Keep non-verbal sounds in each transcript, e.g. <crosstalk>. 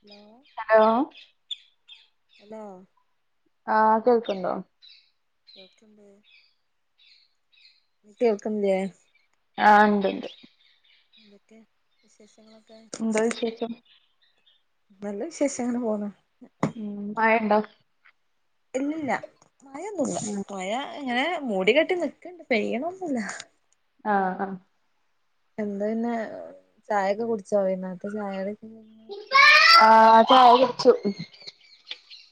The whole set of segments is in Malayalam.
ഹലോ ഹലോ ഹലോ ആഹ് കേൾക്കണ്ടോ കേൾക്കെണ്ട് കേൾക്കുന്നില്ലേ ആഹ ഉണ്ട്ണ്ട് എന്തൊക്കെ വിശേഷങ്ങളൊക്കെ എന്താ വിശേഷം നല്ല വിശേഷം അങ്ങനെ പോകുന്നു ഉ മയണ്ടോ ഇല്ലില്ല മഴൊന്നുല്ല മഴ ഇങ്ങനെ മൂടികെട്ടി നക്കണ്ട് പെയ്യണൊന്നുല്ല ആഹ് ആഹ് എന്ത പിന്നെ ചായൊക്കെ കുടിച്ചോ വൈന്നേരത്തെ ചായ കടിയൊക്കെ ആഹ് ചായ കുടിച്ചു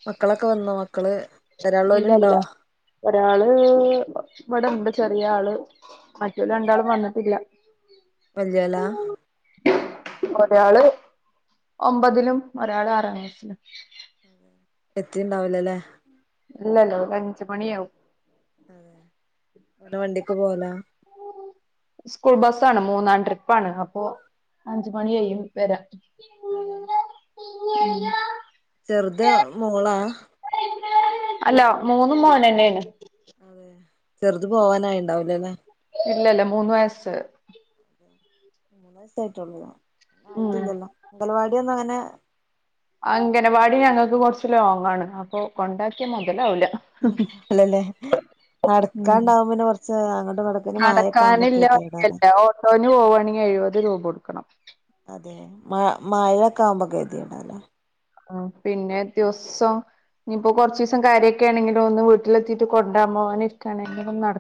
മക്കളൊക്കെ വന്നോ മക്കള് ഇല്ല വരാള്ളോലുണ്ടോ ല്ല ഒരാള് ഇവിടെ ഉണ്ട് ചെറിയ ആള് മറ്റോ ല് രണ്ടാളും വന്നിട്ടില്ല വല്യോ ലാ ഒരാള് ഒമ്പതിലും ഒരാള് ആറാം ക്ലാസിലും <inaudible> എത്തിണ്ടാവുലല്ലെ ഇല്ലല്ല ഒരു അഞ്ച്മണിയാവും <inaudible> <unintelligible> വണ്ടിക്ക് പോല സ്കൂൾ ബസ്സാണ് മൂന്നാം ട്രിപ്പാണ് അപ്പോ അഞ്ച് മണിക അതെ യ്യും വരാൻ അതെ ചെറുത് മോളാ? അല്ല മൂന്നും മോനെന്നേണ്. അതെ ചെറുത് പോവാനായിണ്ടാവൂലല്ലെ? ഇല്ല ല്ല മൂന്ന് വയസ്സ്, മൂന്ന വയസായിട്ടുള്ളൂ ഉം ആയിട്ടില്ലല്ലോ അംഗലവാടി ഒന്നും അങ്ങനെ അംഗനവാടി ഞങ്ങൾക്ക് കൊറച്ച് ലോങ്ങാണ് അപ്പൊ കൊണ്ടാക്കിയ മുതലാവൂല, അല്ലല്ലേ ഉം നടക്കാണ്ടാവുമ്പം പിന്നെ കൊറച്ച് അങ്ങട്ട് ങ്ങട്ടൊക്കെ പിന്നെ മയൊക്ക ആകുമ്പോൊക്ക കേതിയേടാണ് ട്ടോന് പോവാണെങ്കിൽ എഴുപത് രൂപ കൊടുക്കണം അതെ മ മഴക്ക ആവുമ്പോ കെ ത്യേടാ ആ പിന്നെ ദിവസം ഇനിയിപ്പോൊ കുറച്ചിസം കര്യൊക്കെ ണെങ്കില്ല ഒന്ന് വീട്ടിലെത്തിട്ട് കൊണ്ടാരാ പോകാൻ ഇരിക്കയാണെങ്കിലും നട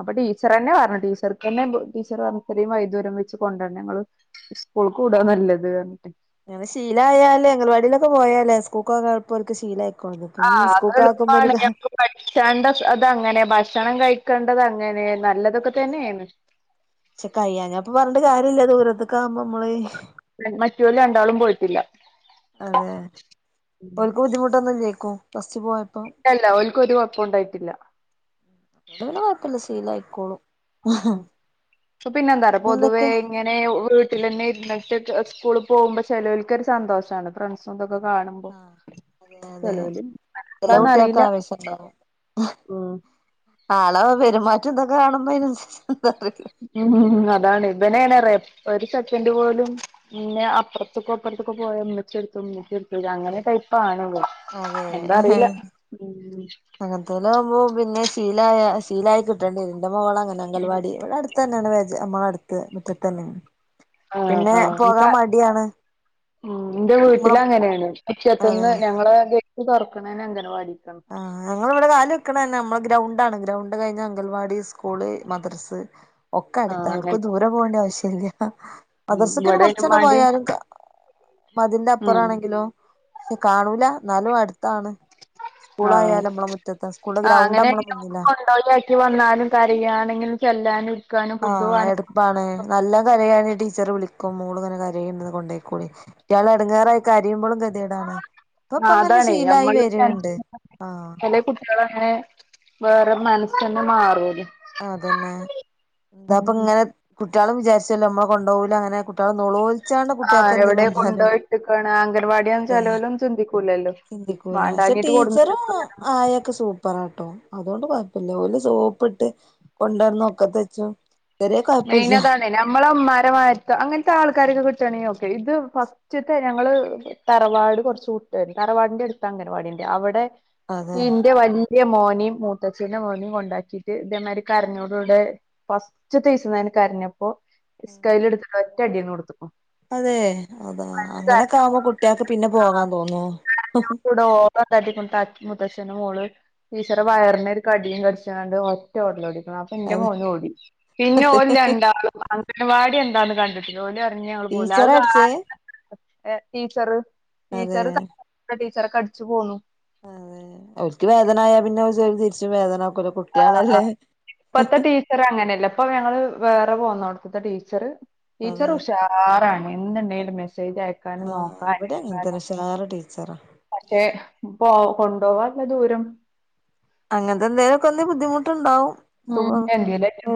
അപ്പ ടിച്ചർനെ പറഞ്ഞ് ടീച്ചർ ന്നെ ടീച്ചർ പറഞ്ഞ് ഇത്രവൈദ്യൂരം വെച്ച് കൊണ്ടാരണ്ട ഞങ്ങള്ൾ സ്കൂൾക്ക് വിടാ നല്ലത് പറഞ്ഞ് ങ്ങനെ ശീലായാലേ അങ്കൽവാടിയിലൊക്കെ പോയാലേ സ്കൂൾക്കപോവാൻ ശീല <unintelligible> നീ സ്കൂക്ക ആക്കുമ്പോ രിതി പഠിചാണ്ട് അത് അങ്ങനെ ഭക്ഷണം കഴിക്കേണ്ടത് അങ്ങനെ നല്ലതൊക്കെ തന്നെയാണ് പക്ഷെ കയ്യഞ്ഞപ്പൊ പറഞ്ഞി് കാര്യല്ല ദൂരത്തൊക്ക ആാവുമ്പോ നമ്മള് മറ്റോല് രണ്ടാളും പോയിട്ടില്ല. അതെ ഓൽക്ക് ബുദ്ധിമുട്ടൊന്നുംഇലേകും ഫസ്റ്റ് പോയ ഇല്ലല്ല ഓൽക്ക് ഒരു കുഴപ്പം ഉണ്ടായിട്ടില്ല. അ പിന്നെ കുഴപ്പില്ല ശീല ആയിക്കോളും. മ്മ് ഇപ്പപിന്നെ എന്താറിയോ പൊതുവെ പിന്നെന്തൊക്കെ ഇങ്ങനെ ഒരുവീട്ടിൽ തന്നെ ഇരുന്നിട്ട് സ്കൂളിൽ പോമ്പോ ചെലോൽകൊരു സന്തോഷണ് ഫ്രണ്ട്സ് സൊന്തൊക്കെ കാണുമ്പോ ചെലോല് അ ചെലൊ കുട്ട്യേക് ആവേശ്യംണ്ടാവും ഉം ആളെ പെരുമാറ്റം തൊക്കെ കാണുമ്പോ അയ്നേൻസരിച് <unintelligible> ഉം അതാണ് ഇബനണറ്യൊ ഒരു സെക്കൻഡ് പോലും പിന്നെ അപ്പർത്തൊക്കൊ ഇപ്പർത്ത്കൊ പോയ ഇമ്മിച്ചെടുത്ത് ഇമ്മിച്ചടുത്ത് അങ്ങനെ ടൈപ്പാണവൻ അതെ എന്താ അറില അങ്ങനത്തെല്ലാവ്പോ പിന്നെ ശീലയ ശീല ആയി കിട്ടണ്ടിരും ന്റെ മോളങ്ങനെ അങ്കൽവാടി ഇവിടെട് തന്നെണ് വേജ നമ്മള അടുത് മുറ്റതെന്നെണ് ആഹ് പിന്നെ ആഹ് പോകാൻ ഇൻക്ക് മടിയാണ്, ഉം ഇന്റെ നമ്മളെ വീട്ടിലങ്ങനെയാണ് അതെ മുറ്റത്തിന്ന് ഞങ്ങളെ വി ട് തുറക്കണനെ അങ്കൻവാടിക്കാണ് ആഹ് ഞങ്ങളവിടെ കാല് വെക്കണന്നെ നമ്മളെ ഗ്രൗണ്ട് ആണ് ഗ്രൗണ്ട് കഴിഞ്ഞ അംഗൽവാടി സ്കൂള് മദ്രസ് ഒക്കെ അടുത്ത ആഹ് അങ്ങനെ എവ്ട്ക്കും ദൂരം പോണ്ട്യ ആവശ്യല്ല്യ ഉം മദർസ്ക്കിനെ ഇവിടെ കൊറച്ചെണ്ണ അയിനുമ്മാണ്ടി പോയാല് <unintelligible> മതിലിന്റെ അപ്പുറ ഉം ആണെങ്കിലോ ശേ കാണൂല ന്നാലും അടുത്താണ് ആഹ് സ്കൂളായാലും നമ്മളെ മുറ്റത്താ സ്കൂളിലെ ആഹ് ഗ്രൗണ്ട് അങ്ങനെ നമ്മളെ മുന്നിലാ <unintelligible> ഡോൾവാക്കി വന്നാലും കരായണെങ്കി ചെല്ലാനും ഇരി ആഹ് എടുപ്പാണ് നല്ല കരയണ് ടീച്ചർ വിളിക്കും മോൾങ്ങനെ കരയണ്ട് കൊണ്ടോയിക്കോളി കുട്ട്യാള്എടങ്ങാറായി കരിയുമ്പളും ഗതിയേടാണ് ഇപ്പപ്പ ആഹ് ങ്ങനെ അതാണേ ശീലായി വര്ണ്ട് ആഹ് കുട്ട്യാളൻങ്ങനെ വേറെ മനസ്സന്നെ മാറുലെ അതന്നെ എന്താപ്പങ്ങനെ കുട്ട്യാളും വിചാരിച്ചല്ലോ നമ്മള കൊണ്ടകൂല അങ്ങനെ കുട്ടിള നൊളോ ആഹ് എവിടെയ കൊണ്ടോയ്ട്ട്കാണ് അംഗൻവാടിയാണ് ചെലോലന്നും ചിന്തിക്കൂലല്ലോ ചിന്തികൂല ക്ഷേ വാണ്ടാഞ്ഞിട്ട് കൊടുന്നിട്ട് ടീച്ചറും ആ ആയൊക്കെ സൂപ്പറാട്ടോ അതോണ്ട് കൊഴപ്പല്ല്യ ഓല് സോപ്പിട്ട് കൊണ്ടട്ന്നും ഒക്കതെചും മൈൻഅതാണ് നമ്മളമ്മാരമാര്ത്ത് അങ്ങൻത്തെ ആൾക്കാരൊക്കെ കിട്ടാണെങ്കി ഓക്കെ ഇത് ഫസ്റ്റ്ത്തെ ഞങ്ങള് തറവാട് കുർച്ച വ്ട്ടേനി തറവാടിന്റെ അടുത്ത് അംഗൻവാടിണ്ട് അവടെ അതെ ഈ ഇന്റെ വൽ ല്യ മോനിം മൂത്തച്ചന്റെ മോനിം കൊണ്ടാക്കിയിട്ട് ഇതേമാരി കരഞ്ഞോട് കൂടെ ഫസ് സ്റ്റ്തീസം തന്നെ കരഞ്ഞപ്പോ സ്കൈൽ എടുത്തിട്ട് ഒറ്റടി അടിയണ്ട് കൊടുത്തുകുണു അതെ അതാ അങ്ങനൊക്കെ ആകുമ്പോ കുട്ട്യേക്ക് പിന്നെ പോകാൻ തോന്നോ പന്താക്കി മുത്ത മുത്തശന്റെ മോള് ടീച്ചറെ അതെ വയറിനന് ഒരു കടിയും കടിചാണ്ട് ഒ റ്റോട്ടട് ഓടിക്ണ് അപ്പൊ എന്റെ അതെ മോൻ ഓടി പിന്നെ ഓല് അതെ രണ്ടാളും അംഗൻവാടി എന്താന്ന് കണ്ടി <unintelligible> ഓല് അർഞ് ഞങ്‌ള് പോവൂലാന്ന് അത് ടീച്ചറാ അടിച്ചേ കാര് എഹ് ടീച്ചറ് അതെ ടീച്ചറ് കാ ആ ടീച്ചറെ കടിച്ചു പോന്നു അതെ അവര്ക്ക് വേദന ആയാ പിന്നെ തിരിച്ച വേദനാക്കൂലേ കു ആഹ് ആഹ് ഇപ്പത്തെ ടീച്ചർ അങ്ങനെയല്ല ഇപ്പൊ ഞങ്ങള് വേറെ പോന്നോട്ത്ത്തെ ടീച്ചറ് അതെ ടീച്ചറ് ഉുഷാറാണ് എന്ത്ണ്ടേലും മെസ്സേജ് അയക്കും ആഹ് ഇവിടെ അങ്ങൻതന്നെ ഉഷാറ് ടീച്ചറാ പക്ഷെ പോ കൊണ്ടോവാള്ള ദൂരം അങ്ങൻത്ത എന്തേലൊക്കൊന്ന് ബുദ്ധിമുട്ട്ണ്ടാവും ഉം സുഖം എന്തേലും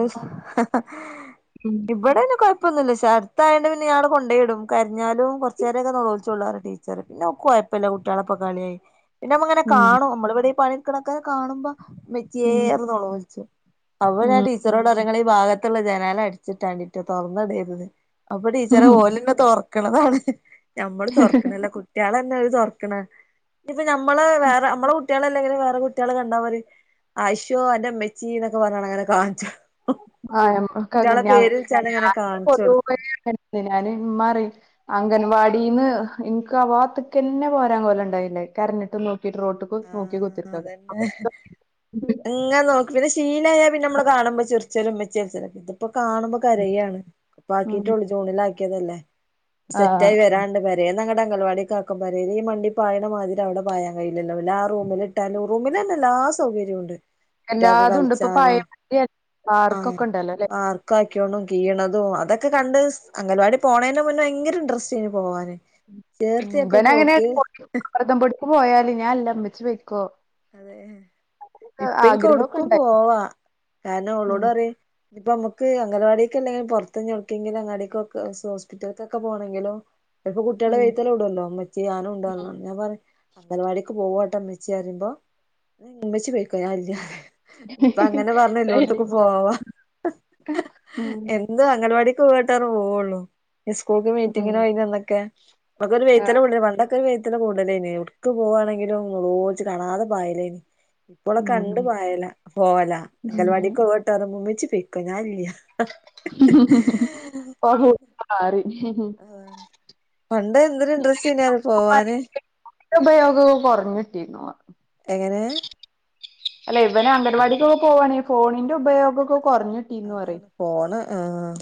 ഉം ഇവിടെയ്ന് കൊഴ പ്പൊന്നുല്ല ഷെ ട്ത്തായൊണ്ട് പിന്നെ ഞങ്ങൾ കൊണ്ടയിടും കരഞ്ഞാലും കൊർചേരൊക്കെ നൊലോളിച്ചോളളു പറയും ടീ ച്ചറ് പിന്നോക്കുയ്പ്പല്ല കുട്ട്യേളക്കെ കളി പിന്നെ അമ്മ അങ്ങനെ ഉം കാണും അമ്മള് ഇവിടെ ഈ പണിട് ക്കണതൊക്കെ കാണുമ്പോ വി ച്യേ ഉം അർഞ്ഞ് ന്നൊളോൾച്ചും അപ്പ ഞാൻ ഉം ടീ ച്ചറോടറിം ഇങ്ങള് ഈ ഭാഗത്ത്ള്ള ജനാല അട്ച്ച്ട്ടാൺണ്ടിട്ടോ തൊർന്ന് ഇടര്ത് അപ്പൊ ടീച്ചറ് അഹ് ഓലെന്നെ തൊർക്ക്ണതാണ് ഞമ്മള് തൊർക്ക്ണല്ല കു ട്ട്യാളെന്നെ അഹ് തൊർക്ക്ണ് ഇഞ്പ്പ ഞമ്മളഹ് വേറെ അമ്മളെ കുട്ട്യാളാല്ലെങ്കിലും വേറെ കു ട്ട്യാള് കണ്ടാ മതി ആയ്ശോ അന്റെ മ്മെച്ചി ന്നൊക്കെ പർഞ്ഞാണ്ട് അങ്ങനെ കാൺച്ചൊ ആഹ് ഞമ് ഒക്കങ്ങെൻന്യാണ് ഇങ്ങനെ ഞാൻ ടെ കാണിച്ചു കൊടുക്കും പൊതുവേ അങ്ങൻതന്യാ ഞാന് ഇമ്മറിം അംഗൻവാടിന്ന് ഇൻക്ക് ആ വാത്ത്ക്കെന്നെ പോരാൻ കോലണ്ടായില്ലെയ് കരഞ്ഞ്ട്ടും നോക്കിട്ട് റോട്ട് ക്ക് നോക്കി ആഹ് കുത്ത്ർക്കോലാ <unintelligible> ഇങ്ങനെ നോക്കി പിന്നെ ശീലായ പിന്നെ അമ്മളെ കാണുമ്പോ ചിർച്ചെലും ഇമ്മെച്യേൾച്ചലൊക്കെ ഇത്പ്പൊ കാണുമ്പ കരയാണ് ഉം ഇപ്പാക്കിട്ടൊള്ളൂ ജൂണില് ആക്ക്യേതല്ലേ സെറ്റ് ആഹ് ആയി വെരാണ്ട് ദേന്ന് അങ്ങട്ട് അങ്കൽവാടിക്കാകുമ്പറെയ് ഈ മണ്ടി പായാണമാതിരി അവ്ടെ പായൻ കയ്യു യ്യൂല പിന്നാ ആ റൂമിലിട്ടാലും റൂമിലെന്നെ എല്ലാ സൗകര്യോം ഉണ്ട് കുട്ട്യാക്ക് എല്ലാതും ഉണ്ട് ഇപ്പൊ കൾച്ചാനും പഴയ ആഹ് പാർക്കൊക്കെ ഉണ്ടല്ലോ അല്ലെ ആർ ക്കായ്ക്കിണും കീയ്ണതും അതൊക്കെ കണ്ട് സ് അംഗൽവാടി പോണേന് മുന്നെ ഭയങ്കര ഇൻട്രെസ്റ്റേയ്നി പോവാന് ഉം ചേർത്തിയൊക്കെ ബനങ്ങനെ പോക്ക് <unintelligible> ക്ക് പോയല് ഞാൻല്ല മ്മച്ചി പോയ്‌ക്കോ അതേ ഇപ്പഇൻക്ക് ആഗ്രഹമൊക്കെ എവ്ട്ക്കും ഉണ്ടായി പോവാ കാരണം ഓളോട് ഉം. അറിം ഞ്പ്പ അമ്മക്ക് അംഗലവാടിക്കല്ലെങ്കിലും പൊർത്ത് ഇഞ് എവ്ട്ക്കെങ്കിലും അങ്ങാടിക്കൊക്കെ ഓസ് ഹോസ്പിറ്റല്ക്കൊക്കെ പോണെങ്കിലും ചെൽപ്പൊ കുട്ട്യാള് ഉം വെയ്ത്തലെ കുടൊല്ലൊ ഇമ്മച്യേ യാനു ഇണ്ട് അർഞ്ഞ്ങ്ങാണ്ട് ഞാം പറിം അങ്കൽവാടിക്ക് പോവാട്ടൊ ഇമ്മച്ചി അറീമ്പോ ഏയെ ഇമ്മച്ചി പൊയ്ക്കോ ഞാൻ ഇല്ല്യറിം ഇപ്പ അങ്ങനെ പർഞ്ഞ് ഡെയിലി എല്ലോട്ത്ത്ക്കും പോകും പോവാ ഉം എ ന്നും അങ്കൽവാടിക്ക് പോവാട്ടോ അർഞ്ഞ് പോവൊള്ളൂ ഇസ്ക്കൂക്ക് മീറ്റിംഗ് ഉം. നോയ്ന അന്നൊക്കെ ഇപ്പൊക്കോല് ആ വെയ്ത്താലെ കൂട്ണിയ്യ പണ്ടൊക്കെ ഒര് വെയ് ത്തലെ കൂടെലെയ്നി എവ്ട്ക്ക് പോവാണെങ്കിലും ന്നൊളോൾച്ച് കാണാതെ പായലേയ്നി ഇപ്പോളെ ഉം കണ്ട് ഉം. പായലാ പോവലാ അങ്കൽവാടിക്കോവാട്ടോ അർഞ്ഞാ മ് മ്മച്ചി പെയ്‌ക്കോ ഞാല്ല്യാ <unintelligible> ആഹ് റിം ആഹ് പണ്ട് എന്തൊരു ഇന്ട്രെസ്റ്റേയ്നി അറ്യോ പോവാന് <unintelligible> ഉപയോഗൊക്കെ കൊറഞ്ഞ്ട്ടിന്ന് ഓളെ എങ്ങനേ അല്ല ഇവന് അങ്കൽവാടിക്കൊക്കെ പോവാണെങ്കി ഫോണിന്റെ ഉപയോഗൊക്കൊ കൊറഞ്ഞ് അതാണ് ഫോണ് ആഹ്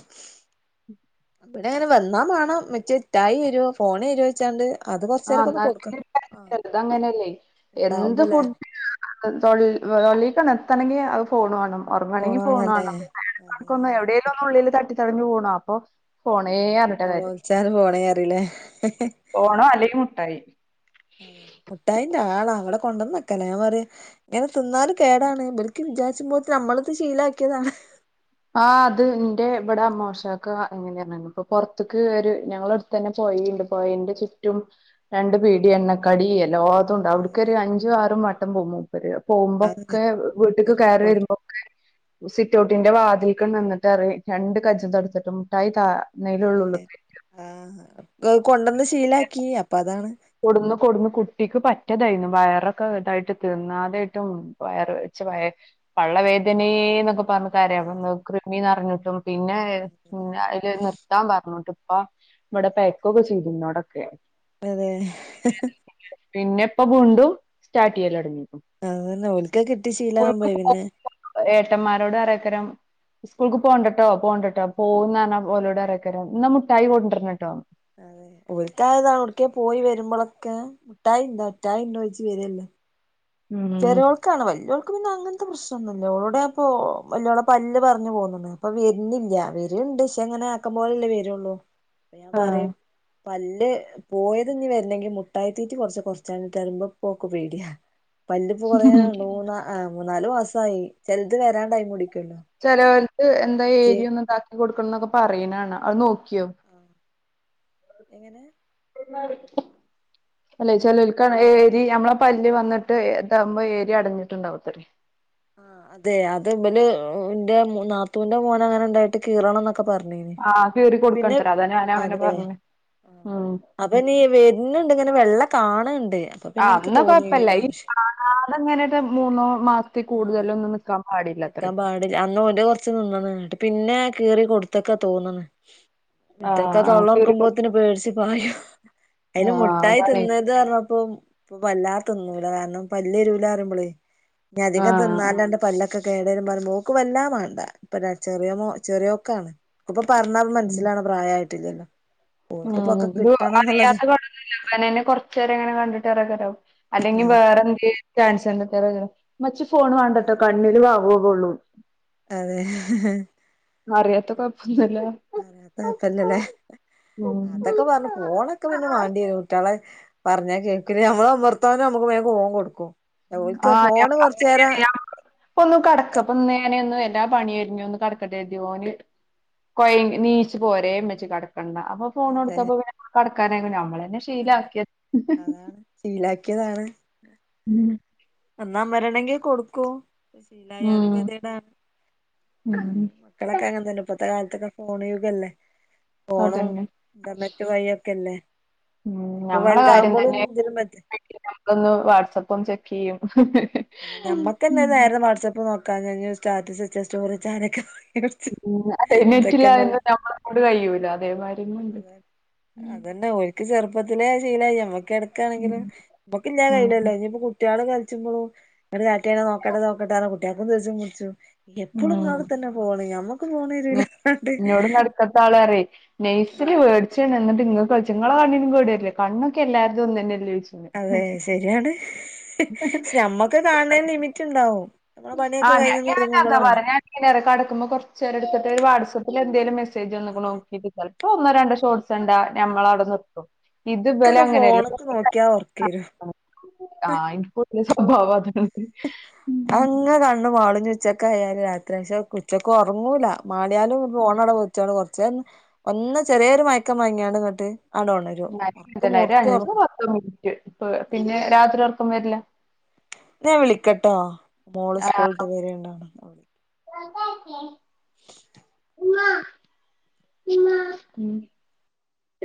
ബടി അയെന്നെ വന്നാ മാണം ഇമ്മച്യേ ഇട്ടായിയെരോ ഫോണെരോയ്ച്ചാണ്ട് ആഹ് ന്നാ ഓൽ <unintelligible> ല്ലോ ഇതങ്ങനല്ലെയ് എന്ത് ഫു ഉണ്ടാവുമ്പല്ലേ <unintelligible> മാണം അഹ് തൊള്ളി വെ പള്ളിക്കാണ്ട് എത്തണെങ്കി അഹ് ഫോണ് വാണം ഒർങ്ങണെങ്കി ഫോണ് വാണം അതെ അയ്‌ന്റെടക്കൊന്ന് എവ്ടേലൊന്ന് ഉള്ള്ല് തട്ടി തടഞ്ഞു വൂണ് അപ്പൊ ഫോണേ അർഞ്ഞ് ന്നൊളോൾച്ചാല് ഫോണേ അറി ല്ലെ ഫോണോ അല്ലെങ്കി മുട്ടായി ഏ മുട്ടായിന്റെ ആള ഇവടെ കൊണ്ടെന്നെക്കലാ ഞാം പറിം ഇങ്ങനെ തിന്നാലും കേടാണ് ബെൽക്ക് വിചാര്ച്ചുമ്പോത്തിന് അമ്മളിത് ശീലാക്ക്യേതാണ് ആഹ് അത് ഇന്റെ ഇബടെ അമ്മോഷാക്ക എങ്ങനെ അർഞാല് പ്പൊ പൊർത്ത്ക്ക് ഒര് ഞങ്ങളെട് ത്തെന്നെ പൊഴിണ്ട് പൊഴന്റെ ചുറ്റും രണ്ട് പീട്യ എണ്ണകടി എല്ലാതുംണ്ട് അവിട്ക്കൊര് അഞ്ചും ആറും വട്ടം പോവാണ് കരയോ അതെ പോവുമ്പൊക്കെ വീട്ട്ക്ക് വരുമ്പോ കയറി കൊണ്ട് വെരുമ്പൊക്കെ സിറ്റ്ഔട്ടിന്റെ വാ തിൽക്കെ നിന്ന്ട്ടറിം രണ്ട് കജ്ജും തട്ത്ത്ട്ട് മുട്ടായി താ ഇന്നെയ്ലൊള്ളൂ അതെ ഉള്ള്ക്ക് വെരാ ആഹ് കൊണ്ടന്ന് ശീലാക്കി അപ്പൊ അതാണ് കൊടുന്നു കൊടുന്നു കുട്ടിക്ക് പറ്റതായിരുന്നു വയറൊക്കെ ഇതായിട്ട് തിന്നാതായിട്ടും വയർ വെച്ച വയ പള്ളവേദനേന്നൊക്കെ പറ്ഞ്ഞ് കര <unintelligible> കൃമി നറഞ്ഞിട്ടും പിന്നെ അതില് നിർത്താൻ പറ്ഞ്ഞ്ട്ടും ഇപ്പ ഇവടെ പെയ്ക്കൊക്കെ ചെയ്തുന്നോടൊക്കെ അതെ പിന്നെ ഇപ്പ ബുണ്ടും സ്റ്റാർട്ട് ചെയ്യലൊടങ്ങി അതന്നെ ഓൽക്കത് കിട്ടി ശീലാകുമ്പയ് പോ പിന്നെ ഏട്ടന്മാരോട് അറേക്കരം സ്കൂൾക്ക് പോണ്ടട്ടോ പോണ്ടട്ടോ പോകും ന്നർനാ ഓലോടറേക്കാരം എന്നാ മുട്ടായി കൊണ്ടര്നട്ടോ ഇവട്ത്തെആൾ ഔട്ക്കേൽ പോയി വരുമ്പളൊക്കെ ഇട്ടായുണ്ടോ ഇ റ്റായി ഉണ്ടോഴ്ച്ച് വരല്ലോ ഉം ചെറിയോൾക്കാണ് വല്ലിയൊൾക്ക് പിന്നെ അങ്ങൻത്തെ പ്രശ്നംന്നുല്ല ഒളോടെ അപ്പൊ വല്ല്യോളെ പല്ല് പർഞ്ഞ് പോന്ന്ക്ണ് അപ്പൊ വര്നില്ല വര്ണ്ട് പക്ഷേ അങ്ങനെ ആക്കം പോലല്ലേ വരുള്ളൂ അപ്പൊ ഞാ ആഹ് പറിം പല്ല് പോയത് ഇനി വര്നെങ്കി മുട്ടായിത്തീറ്റി കൊർച്ച് കൊർച്ചാണ്ട <unintelligible> ഓൾക് പേടിയാ പല്ല്പ്പോ കൊറയ രണ്ട് മൂന്ന് മൂന്നാല് മാസായി ചെൽത് വരാൻ ടൈം പിടിക്കല്ലോ ചേലോൽക് അപ്പൊ എന്താ ഉമ്മച്ചിയെ ഏരിയ ഒന്നും ഇണ്ടാക്കി കൊടുക്കണം എന്നൊക്കെ പറിന കാണ അത് നോക്കിയോ എങ്ങനെ <inaudible> അല്ലേ ചെലോൽക്കാണെ ഏരി നമ്മള പല്ല് വന്നിട്ട് ഇതാകുമ്പോ ഏരിയ അടഞ്ഞിട്ടുണ്ടാവത്തല്ല ആ അതെ അത്ബൽ ൻ്റെ നാത്തൂന്റെ മോന അങ്ങനെ ഉണ്ടായിട്ട് കീറണം ന്നൊ ക്കെ പർഞ്ഞീനി ആഹ് കീറി പിന്നെ കൊടുക്കണത്രെ അതാ ഞാൻ അങ്ങനെ അതെ പറഞ്ഞെ ആ അപ്പൊ ഇനി വര്ന്ണ്ട് ഇങ്ങനെ വെള്ള കാണ്ണ്ട് ആ ന്ന കൊഴപ്പല്ല ഈ കാണാതെങ്ങനെ ഒരു മൂന്നോ മാസത്തിൽ ആഹ് കൂടുതല് ഒന്നും നിക്കാൻ പാടില്ല അന്ന് ഓന്റെ കൊറച്ച് നിന്ന്ണ് പിന്നെ കീറി കൊടുത്തക്കാ തോന്നന്ന് ആഹ് ഇതൊക്കെ ആഹ് കീറി കൊടു തോള്ളർക്കുമ്പോത്തിന് പേട്ച്ച് പായ അയ്ന് ആഹ് മുട്ടായി അതാണെ തിന്ന ഇത് പർഞ്ഞപ്പ ഇപ്പൊ വല്ലാത തിന്നുലാ കാരണം പല്ലരൂല ന്നറിമ്പളയ് നി അധികം ആഹ് തിന്നാലന്റെ പല്ല ക്കെ കേടരും പറിമ്പോക്ക് വല്ലാ മാണ്ട ഇപ്പ ചെറിയ ചെറിയോക്കാണ് ഇപ്പൊ പറഞ്ഞാലും ഉം മനസ്സിലാവുന്ന പ്രായ ആയിട്ടില്ലല്ലോ ഉം <unintelligible> അറിയാത്ത <unintelligible> ന്നെ കൊറചേരങ്ങനെ കണ്ടിട്ട് അറിയാക്കാരം അല്ലെങ്കിൽ അതെ വേറെ എന്ത്യം ക്യാൻസറിന്റെ <unintelligible> ഇമ്മച്ചി ഫോണ് വാണ്ടട്ടോ കണ്ണില് വാവു <unintelligible> കൊള്ളൂ അതെ അറിയാത്ത കുഴപ്പൊന്നുല്ല അറിയാത്ത കൊഴ്പ്പല്ല ലേ ഉം അതൊക്കെ പർഞ്ഞു ഫോണൊക്കെ പിന്നെ വാണ്ടിരും കുട്ടിയാളെ പറഞ്ഞാ കേൾക്ക ഞമ്മള് അമർത്താവന നമ്മുക്ക് വേം ഫോൺ കൊടുക്കും ഓൽക്ക് ആഹ് ഞാൻ ഫോണ് പറഞ്ഞില്ലേ, കൊർച്ചേരം ഞാൻ ഇപ്പൊ ഒന്ന് കടക്കപ്പൊ നേനെ ഒന്ന് എല്ലാ പണിയ എരിഞ്ഞ ഒന്ന് കടക്കട്ടെ എര്തിയോന് കൊ നീച്ചു പോരേ ഇമ്മച്ചി കടക്കണ്ട അപ്പൊ ഫോൺ കൊടുത്തപ്പോ പിന്നെ കടക്കാന നമ്മള് തന്നെ ആഹ് അതാണ് ശീലാക്കിയതാണ് ഉം ഒന്നമരണെങ്കിൽ കൊടുക്കും ശീലായാലും കെതിയെടാണ് ഉം ഉം മക്കളൊക്കെ അങ്ങൻ തന്നെ ഇപ്പത്തെ കാലത്തൊക്കെ ഫോൺ യുഗല്ലേ അതന്നെ ഇന്താ മറ്റ് വഴിയൊക്കെ അല്ലേ ഉം ഇപ്പൊ വലുതാവകുമ്പോളും ഇതിലും മതി ഇങ്ങള് ഒന്ന് വാട്സാപ്പ്‌ ചെക്ക് ചെയ്യും ഞമ്മക്ക്ന്നെഒരു നേരം വാട്സ്ആപ്പ് നോക്കാ സ്റ്റാറ്റസ് വെച്ചോ സ്റ്റോറിനൊക്കെ ഉം അതെ നെറ്റില്ലാതെ ഞമ്മളെകൊണ്ട് കഴിയൂല അതേമാരി കൊണ്ട് മ ക്ക് ചെറുപ്പത്തിലേ ശീലായി ഞമ്മക്ക് ഉം എടക്കണെങ്കിലും നമ്മക്ക് ഉം കയ്യിയിലല്ലോ ഇനിയിപ്പ കുട്ടികള് കളിച്ചുമ്പോളും ഇങ്ങട് കാട്ട്യാണി നോക്കട്ടെ നോക്കട്ട കുട്ടികൾക്കും ദേഷ്യം പിടിച്ചും ഉം എപ്പോളും ഇങ്ങള് എടുത്‌ തന്നെ ഫോണ് ഞമ്മക്ക് ഫോണരില്ലാ പറഞ്ഞാണ്ട് ക്ക്ത്താൾറിയെ നൈസല് വേടിച്ചാണ് എന്നിട്ട്ങ്ങൾ കളിച്ച നിങ്ങളെ കണ്ണിനും കേട് വരില്ല കണ്ണൊക്കെ എല്ലാരുടേം ഒന്നല്ലേ ചോയ്ച്ചും അതെ ശെരിയാണ് ക്ഷേ ഞമ്മക്ക് കാണണേന് ലിമിറ്റ് ഇണ്ടാവും നമ്മളെ പണിയൊക്കെ ആഹ് ഞ കഴിഞ്ഞൊന്ന് ഞാൻ ഒരുങ്ങുമ്പളാണ് അതാപറയാ ഞാന് എങ്ങനാന്ന് അറിയുവോ കടക്കുമ്പോ കുറച്ച് നേരം എടുത്തിട്ട് വാട്സാപ്പിൽ എന്തേലും മെസേജ് വന്നോ അതെ നോക്കിരി ചിലപ്പോ ഒന്നോ രണ്ടോ ഷോട്ട്സ്ണ്ടാ ഞമ്മള് അവിടെ നിർത്തും ഇത് ഇവര് ഇൻക്കൊക്കെ അങ്ങനെയല്ല <unintelligible> ഫോണ്ക്ക് നോക്കിയാ ഒറക്കേരും ആഹ് എനിക്ക് പൊതുവെ സ്വഭാവം അതാണ് അതങ്ങ് കണ്ണ് മാളും ഉച്ചക്കയാലും രാത്രിയാ ക്ഷേ ഉച്ചക്ക് ഒറങ്ങൂല മാളിയാലും ഫോണട വെച്ചാണ്ട് കുറച്ച് ഒന്ന് ചെറിയൊരു മയക്കം മയങ്ങിയണ്ട് ങ്ങട്ട് ആണ്ട് ഓണരും <unintelligible> അഞ്ചോ പത്തോ മിനിറ്റ് ഇപ്പ പിന്നെ രാത്രി ഒർക്കം വരില്ല ന്നാ ഞാൻ വിളിക്കട്ടോ മോള് സ്കൂള് വിട്ട് വരണ്ട് ചതട്ടേ <unintelligible> ഉമ്മാ ഉമ്മാ ഉം